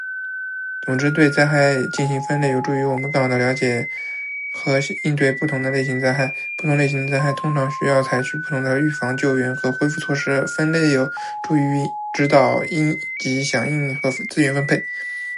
总之，对灾害进行分类有助于我们更好地了解和应对不同类型的灾害。不同类型的灾害通常需要采取不同的预防、救援和恢复措施，分类有助于指导应急响应和资源分配。